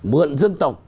mượn dân tộc